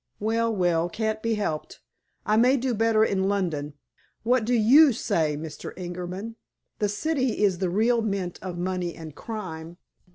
"Well, well. Can't be helped. I may do better in London. What do you say, Mr. Ingerman? The City is the real mint of money and crime.